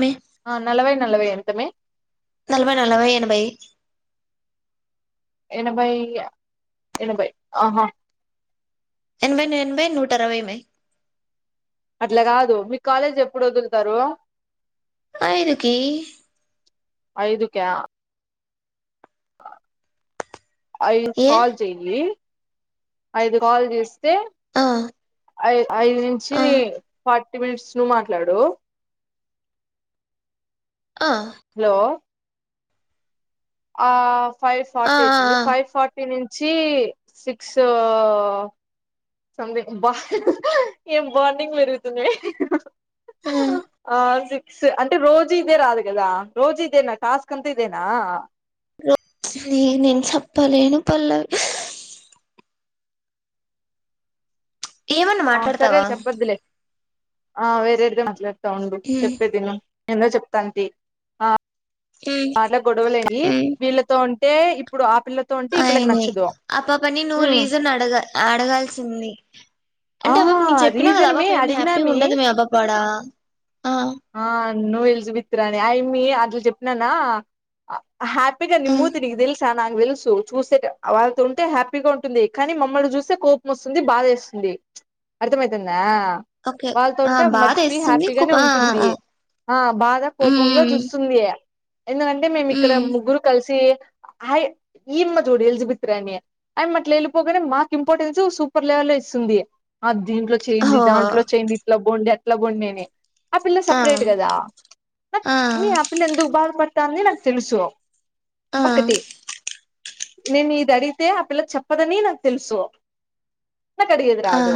మీ ఆ నలభై నలభై ఎంతమే నలభై నలభై ఎనభై. ఎనభై ఎనభై ఆహా ఎనభై ను ఎనభై నూట అరవై అమ్మీ. ఇలా కాదు మీ కాలేజ్ ఎప్పుడు వదులుతారు. ఐదుకి ఐదుకా [inaudible] ఐ ఏ కాల్ చేయిల్లి. ఐదు కాల్ చేస్ తే ఆ ఐ ఐదు నుంచి ఆ ఫా టీ మినిట్స్ ను మాట్లాడు. ఆ హలో ఆ ఫైవ్ ఆ ఫార్టీ అయితుంది. ఆ ఫైవ్ ఫార్టీ నుం చి సిక్సో సంథింగ్ బా ఏం బాండింగ్ పెరుగుతున్నయి. ఉమ్ ఆ సి క్స్ అంటే రోజు ఇదే రాదు కదా రోజు ఇదేనా టాస్కు అంత ఇదేనా. రోజు నేను చెప్పలేను పల్లవి. ఏమన్నా ఆ, సరే మాట్లాడతావా. చెప్పద్దులే ఆ వేరే [inaudible] గా మాట్లాడు. సౌండు ఉమ్ చెప్పేది ఇను ఎందో చెప్ప తంతి ఆ ఉమ్ అట్లా గొడవలు అయినయి వీళ్ళతో ఉ ంటే ఇప్పుడు ఆ పిల్లతో ఉంటే ఈ పిల్లకి అయినయి నచ్చదు ఆ పాపని నువ్వు రీజన్ అడగా అడగాల్సింది అంటే ఆ పాప నేను చెప్పినా కదా రీజన్ ఆ మే పాప ఏం హ్యాపీగా అడిగినామే ఉండదు మే ఆ పాప ఆ ఆ నువ్వు ఎలిజబెత్ రాణియా ఆయమ్మి అట్లు చెప్పినానా హ్యాపీగా నీ ఉమ్ మూతి నీకు తెలుసు త నాకు తెలుసు చూసేట వాళ్ళతో ఉంటే హ్యాపీగా ఉంటుంది కానీ మమ్మల్ని చూస్తే కోపం వస్తుంది బాధ ఏస్తుంది అర్థమవుతుందా ఓకే ఆ బాదేస్తుంది కుబా టుంది ఆ బాధ కోపంగా చూస్తుంది ఎందుకంటే మేము ఇక్కడ ఉమ్ ముగ్గురు కలిసి అయ్ ఈయమ్మ చూడు ఎలిజబెత్ రాణి అయమ్మ అట్లా వెళ్ళిపోగానే మాకు ఇంపార్టెన్స్ సూపర్ లెవెల్ లో ఇస్తుంది దీంట్లో చేయండి ఓహో దాంట్లో చేయండి ఇట్లా పోండి ఇట్లా పోండి అని ఆ పిల్ల సపరేట్ కదా మీ ఆ పిల్ల ఎందుకు బాధపడు తంది నాకు తెలుసు ఆ ఒకటి నేను ఇది అడిగితే ఆ పిల్ల చెప్పదని నాకు తెలుసు నాకి అడిగేది ఆ రాదు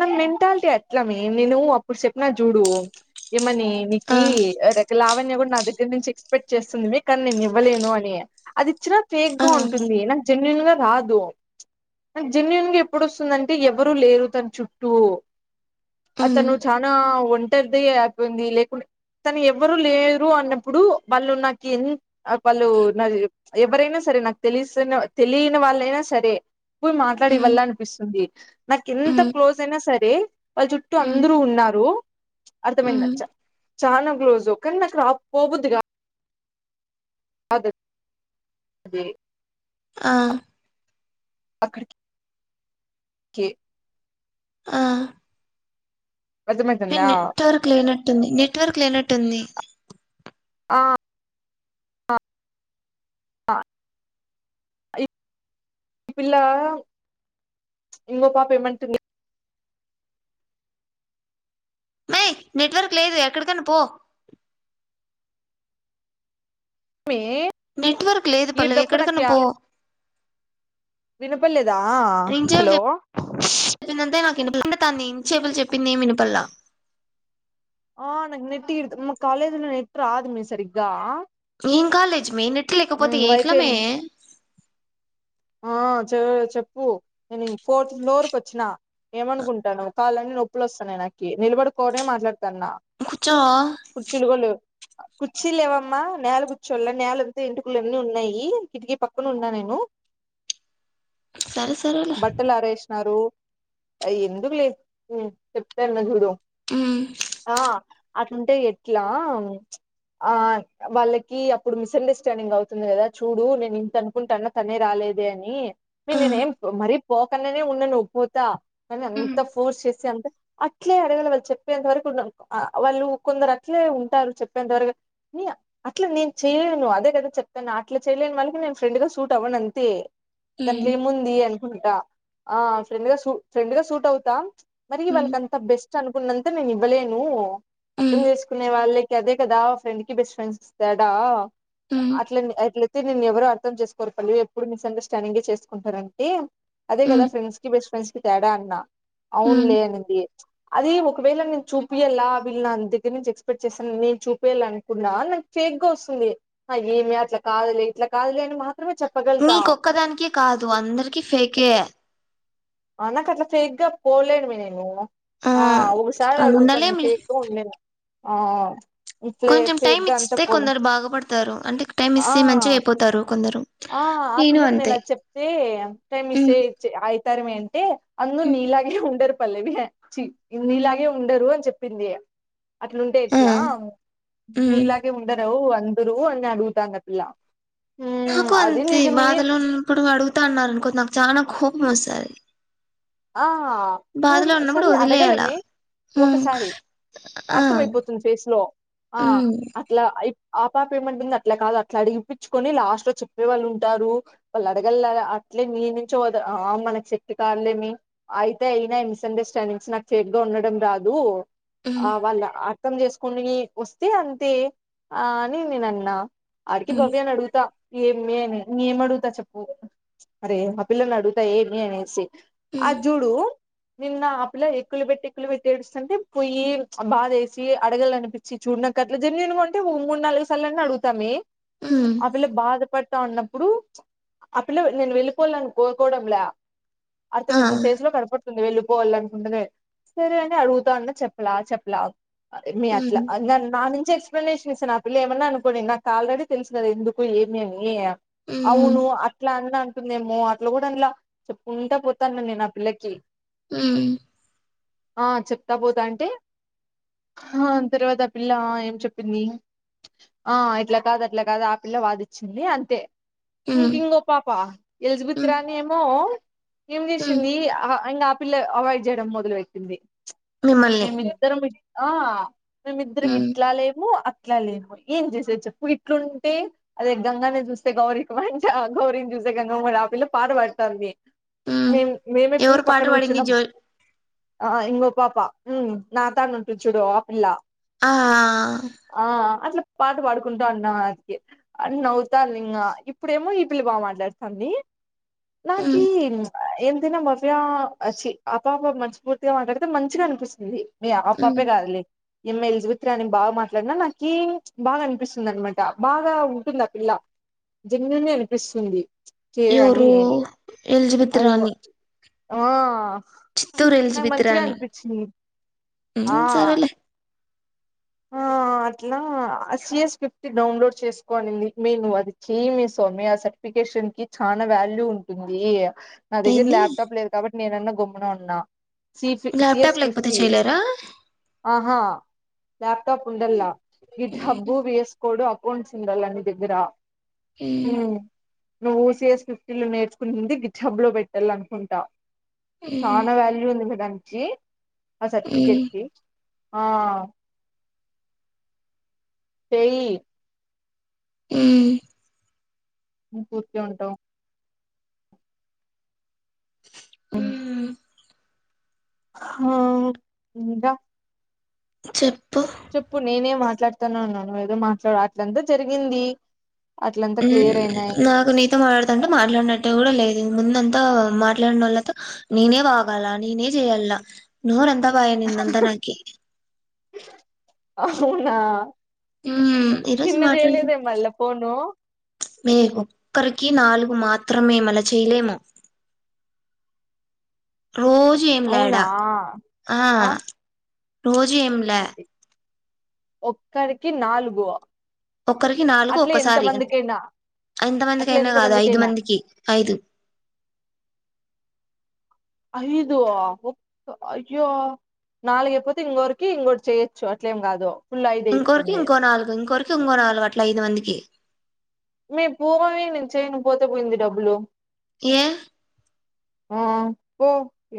నా మెంటాలిటీ అట్లా మే నేను చెప్పిన జూడు ఎప్ మని ఆ నికి ఆ లావణ్య కూడా నా దగ్గర నుంచి ఎక్స్పెక్ట్ చేస్తుంది మే కానీ నేను ఇవ్వలేను అని అది ఇచ్చిన ఫేక్ ఆ గా ఉంటుంది నాక్ జెన్యున్గా రాదు అ జెన్యున్ గా ఎప్పుడు వస్తుందంటే ఎవరు లేరు తన చుట్టూ ఉమ్ అతను ఆ ఒంటరిది అపోంది లేకున్ తను ఎవ్వరు లేరు అన్నప్పుడు వాళ్ళు నాకి ఎన్ ఆ వాళ్ళు నారిది ఎవరైనా సరే నాకు తెలిసిన తెలియని వాళ్ళైనా సరే పోయి మాట్లాడి ఉమ్ ఇవ్వల్ల అనిపిస్తుంది నాకు ఎంత ఉమ్ క్లోజ్ అయినా సర్ ఏ వల్ల చుట్టూ ఉమ్ అన్ ఆరు అర్థమైంది ఉమ్ నచ్చ చాలా క్లోజ్ కానీ నాకు రాపు పోవద్దుగా అదే అదే ఆ అక్కడికి కె ఆ నిన్ అర్థమైతుందా యిట్టర్కలే లెనట్ నెట్వర్క్ లేనట్టుంది ఆ ఇ పిల్ల ఇంగొ పాప ఏమంటుంది మై నెట్వర్క్ లేదు ఎక్కడికన్నా పో చెప్పు మే నెట్వర్క్ లేదు పల్లవి ఈడిదప్ప నాక్ ఎక్కడికన్నా పో వినపడలేదా హలో వినపడుతుందాంది ఇంచసేపు చెప్పినాదంత ఎమ్ వినుపల్లా ఆ నాక్ నెట్ ఇ డ్ మ కాలేజ్లో నెట్ రాద్ మే సరిగ్గా ఎమ్ కాలేజ్ మే నెట్ నెట్ లేకపోతే వైఫై ఏట్లమే ఆ చె చెప్పు నేను ఫోర్త్ ఫ్లోర్ కు వచ్చినా ఏమనుకుంటాన్నావు కాళ్ళన్న నొప్పులు వస్తాన్నాయి నాకి నిలబడుకోనే మాట్లాడతాన్నా కూర్చో కుర్చీలు కూడ లేవు కుర్చీలు లేవమ్మా నేల కుర్చొళ్ళ నేలంతే ఎంటికలన్నీ ఉన్నాయి కిటికీ పక్కన ఉన్నా నేను సరే సరేలే బట్టలు ఆరేసినారు అయి ఎందుకులే చెప్తాన్న చూడు ఊ ఆ అట్లుంటే ఎట్లా ఆ వాళ్ళకి అప్పుడు మిస్ అండర్ స్టాండింగ్ అవుతుంది కదా చూడు నేను ఇంత అనుకుంటాన్నా తనే రాలేదు. దేన్ని ఆ నేను ఏం పో మరి పోకన్నానే ఉండను పోతా అని ఉమ్ అంత ఫోర్స్ చేసి అంత అట్లే అడగాలి వాళ్ళు చెప్పేంత వరకు వాళ్ళు కొందరు అట్లే ఉంటారు చెప్పేంత వరకు నీ అట్లా నేను చెయను అదే కదా చెప్తాన్న అట్లా చేయలేని వాళ్ళకి నేను ఫ్రెండ్ గా సూట్ అవ్వను అంతే. ఉమ్ దాంట్లో ఏముంది అని ఉంటా ఆ ఫ్రెండ్గా సూట్ ఫ్రెండ్గా సూట్ అవుతా మరి ఉమ్ వాళ్ళకి అంత బెస్ట్ అనుకున్నంత అంటే నేను ఇవ్వాలేను ఉమ్ అర్థం చేసుకునే వాళ్ళకి అదే కదా ఫ్రెండ్ కి బెస్ట్ ఫ్రెండ్స్ కి తేడా ఆ ఉమ్ అట్ల అట్లయితే నేను ఎవరు అర్థం చేసుకోరు పల్లవి ఎప్పుడు మిస్ అండర్ స్టాండింగ్ తనింగ చేసుకుంటారంటే అదే కదా ఉమ్ ఫ్రెండ్స్ కి బెస్ట్ ఫ్రెండ్స్ తేడా అన్నా ఉమ్. అవునులే అనింది అది ఒకవేళ నేను చూపియాల వీళ్ళు నా దగ్గర నుంచి ఎక్స్పెక్ట్ చేశాను నేను చూపయాల అనుకున్నా నాకు ఫేక్ గా వస్తుంది ఏమి అట్లా కాదులే ఇట్లా కాదులే అని మాత్ర మాత్రమే చెప్పగల్ తా నీకొక్కదానికే కాదు అందరికి ఫేకేయే మనకట్ల ఫేక్ గా పోలేను మే నేను. ఆ ఒకసారి ఆ అడుగుతా నేను ఉండలేంలే ఫేక్గా ఉండలేను ఆ ఇట్లే కొంచం ఫేక్ టైమ్ గా అంతా ఇచ్చుతే పోల కొందరు బాగుపడతారు అంటే టైమ్ ఆ ఇస్తే మంచిగా అయిపోతారు కొందరు ఆ ఆ పిల్లకి నేను అది చెప్తే అంతే ఉమ్ మెసేజ్ ఐతర్ మేన్ తే అందురు నీలాగే ఉండర్ పల్లవి హే చి నీలాగే ఉండరు అని చెప్పింది అట్లుంటే ఆ ఎట్లా ఉమ్ నీలాగే ఉండరు ఉండరు అని గడుగుతంది ఆ పిల్ల ఉ నాకు అంతే బాధలో ఉన్నప్పుడు అడుగుతా అన్నారు అనుకో నాక్ చానా కోపం వస్తంది. ఆహ్ పోమ్ సరే వదిలేయాల అడగలమే ఉమ్ ఒకసారి ఆ అర్థం అయిపోతుంది ఫేస్ లో ఆ ఉమ్ అట్లా అయి ఆపాప ఏమంటుంది అట్లా కాదు అట్లా అడిగిపించుకొని లాస్ట్ లో చెప్పేవాళ్ళు ఉంటారు వాళ్ళు అడగల అట్లే మీ నుంచో వద ఆ మనకి సెట్ కారులేమీ అయితే అయినాయి మిస్ అండర్స్టాండింగ్ నాకు ఫేక్ గా ఉండడం రాదు ఉమ్ ఆ వాళ్ళ అట్ అర్థం చేసుకొని వస్తే అంతే ఆ అని నేను అన్నా అడికి ఉమ్ భవ్య ను అడుగుతా ఏమ్ మె అని ఏం అడుగుతా చెప్పు అరే మా పిల్లనడుగుతా ఏమి అనేసి ఉమ్ అది జూడు నిన్న ఆ పిల్ల ఎక్కులు పెట్టి ఎక్కులు పెట్టేడుస్తుంటే పోయి బాధేసి అడగాలనిపించి చూడునకట్లా జెన్యూన్ గుంటే మూడు నాలుగు సార్లునా అడుగుతామే ఉమ్ ఆ పిల్ల బాధపడ్ త ఉన్నప్పుడు ఆ పిల్ల నేను వెళ్ళిపోవాలని కోరుకోవడంలా ఆ అర్థమైతుందా ఫేస్లో కనపడ్ వెళ్లిపోవాలనుకుంటూనే సరే అని అడుగుతా అన్న చెప్పలా చెప్పలా మీ అట్లా ఉమ్ నాన్ నా నుంచి ఎక్స్ ఎక్స్ప్లనేషన్ ఇస్తా ఆ పిల్ల ఏమన్నా అనుకోని నాకు ఆల్రెడీ తెలుసు కదా ఎందుకు ఏమియా ఏ యా ఉమ్ అవును అట్లా అన్నాన్ తుంది ఏమో అట్ల కూడా ఆన్ లా చెప్పుకుంటా పోత్ తాన్ అన్ని న పిల్లకి ఉ ఆ చెప్తా పోతా అంటే ఆ తర్వాత ఆ పిల్ల ఏం చెప్పింది ఆ ఇట్లా కాదు అట్లా కాదు ఆ పిల్ల వాదిచ్చింది అంతే కింగ్ ఉమ్ కింగ్ గో పాపా ఎలిజిబత్ ఉమ్ రాణి ఏమో ఏం ఉమ్ చేసింది ఆహ ఇంగ అప్ పిల్లే అవాయిడ్ జేయడం మొదలు వెట్టింది మిమ్మల్ని మేమిద్దరం ఇప్ ఆ మేమిద్దరం ఉమ్ ఇట్లాలేము అట్ ఇట్లా లేను ఏం చేసే చెప్పు ఇట్లుంటే అదే గంగనే చూస్తే గౌరికి మంచిగా గౌరిని చూస్తే గంగ కూడా ఆపిల్ల పాట పడుతంది ఉమ్ మే మే మేమే పోయి ఎవరు పాట పక్కన పాడింది కూర్చున్నాం జో ఆ ఇంగ పాపా హ్మ్ నా తా ఉంటి చూడు ఆ పిల్లా ఆఆ అట్లా పాట పాడుకుంటా అన్నా అది అని అవుతాను ఇంకా ఇప్పుడేమో ఈపిల్ల బాగా మాట్లాడతాన్ని ఉమ్ నాకీ ప్చ్ ఏంతైనా మవ్య వచ్చి అప్పప మంచి పూర్తిగా మాట్లాడితే మంచిగా అనిపిస్తుంది మీ అప్ అప్ ఉమ్ కడిల్ ఏం ఎలిజబెత్ రాణి బాగా మాట్లాడినా నాకేం బాగా అనిపిస్తుంది అనమాట బాగా ఉంటుంది ఆ పిల్ల జెన్యూన్ గా అనిపిస్తుంది ఇవరు ఎల్జి బ అవును హా చిత్తూరు ఎలిజబెత్ రాణి ఉ ఆ సరేలే ఆ అట్లా ఆ సిఎస్ ఫిఫ్టీ డౌన్లోడ్ చేసుకోని మెయిన్ నువ్ అది చెయ్య మీ స్వామి ఆ సర్టిఫికేషన్ కి చానా వాల్యూ ఉంటుందీయ నా దగ్గర ఏంది ల్యాప్టాప్ లేదు కాబట్టి నేనన్న గంప్ వందా సి సిఎస్ ల్యాప్టాప్ ఫేస్ లేకపోతే ఫ్రీ ఏ చేయలేరా ఆహా ల్యాప్టాప్ ఉండల్ల గిడ్ ఉమ్ హబ్బు వీఎస్ కోడ్ అప్ ఓన్స్ ఉండల్ల నీ దగ్గరా ఉమ్ నువ్వు సిఎస్ ఫిఫ్టీన్ లో నేర్చుకునింది గిచ్ హబ్లో పెట్టాల అనుకుంటా చానా వాల్యూ ఉంది లే దానికి జీ ఆ ఉమ్ సర్టిఫికెట్కి ఆ చేయి ఉమ్ ఉ కూర్చ ఉంటావు ఉమ్ హా ఇంకా చెప్పు చెప్పు నేనే మాట్లాడుతానున్నాను ఏదో మాట్లాడ్ అట్లంతా జరిగింది అట్లంతా క్లియర్ అయినాయి నాకు నీతో మాట్లాడతంటే మాట్లాడినట్టే కూడ లేదు ముందంతా మాట్లాడినోళ్ళతో నేనే వాగల్లానా నేనే చేయాలనా నోరంత పాయె నిన్నంతా నాకి అవునా ఊ ఈ రోజు నిన్న మాట్లాడూ చేయలేదే మళ్ళా ఫోను మే ఒక్కరికి నాలుగు మాత్రమే మళ్ళ చెయ్యలేము రోజు ఏం అవునా లేడా ఆ రోజూ ఏంలా ఒక్కరికి నాలుగు ఒకరికి నాలుగు అట్లా ఎంత ఒక్కసారి మందికైనా ఎంత మందికి అట్లా అయినా ఎంత కాదు ఐదు మందికైనా మందికి ఐదు ఐదు ఆ ఒక్క అయ్యో నాలుగైపోతే ఇంగోగరికి ఇంకోటి చేయొచ్చు అట్లేం కాదు ఫుల్ ఐదు ఇంకొరికి అయితుంది ఇంకో నాలుగు ఇంకొరిక్ ఇంకో నాలుగు అట్ల ఐదు మందికి మీ పోవే నేను చేయను పోతే పోయింది డబ్బులు ఏ ఆ పో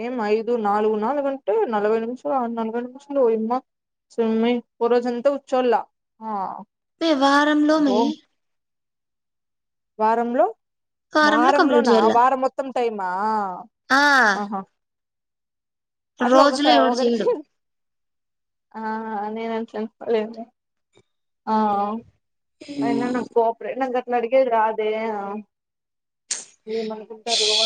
ఏం ఐదు నాలుగు నాలుగంటే నలభై నిమిషాలు ఆ నలభై నిమిషాలూ ఓయమ్మా సామ్మి రోజంతా కూచోళ్ల ఆ మే వారంలో మే బో వారంలో వారంలో కంప్లీట్ ఆ చేయాల వారం మొత్తం టైమా ఆ ఆహా అట్లా ఒకస రోజులో ఎవడు ఒకరికి చేయడు ఆ నేను అట్లా అనుకోలేదులే ఆ నా కోప నడిగేది రా అదే ఏమనుకుంటారు రో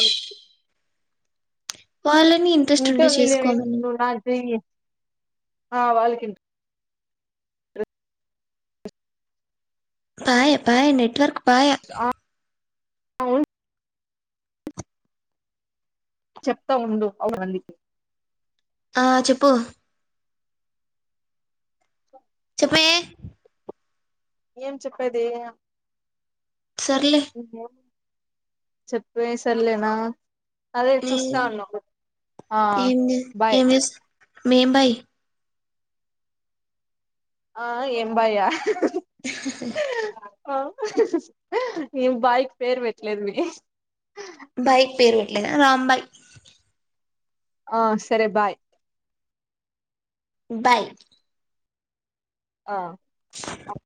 [unintelligible] [inaudible] వాళ్ళని ఇంట్రెస్ట్ ఉంటే ఉంటేయి ఉన్నిలేవే చేసుకోమని నువ్వు నాకు చెయ్యి ఆ వాళ్ళకు కింట పాయ పాయ నెట్వర్క్ పాయ ఆ అవును చెప్తా ఉండు అవునందికి ఆ చెప్పు చెప్పే ఏం చెప్పేది సర్లే చెప్పే సర్లేనా అదే చూస్తా ఎమ్ ఉన్నాం ఆ ఎమ్ బాయ్ ఎంచెస్తవ్ మెంబై ఆ ఎంబ య [inaudible] ఏ బాయ్ కి పేరు పెట్లేదు. మీ బైక్ పేరు పేట్లేదా రాంబాయి ఆ సరే బాయ్ బయ్ ఆ. [inaudible]